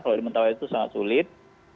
kalau di mentawai itu sangat sulit